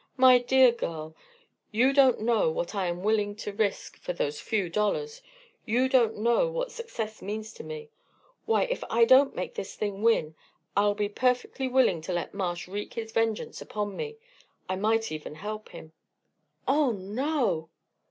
"My dear girl, you don't know what I am willing to risk for those 'few dollars'; you don't know what success means to me. Why, if I don't make this thing win, I'll be perfectly willing to let Marsh wreak his vengeance upon me I might even help him." "Oh no!"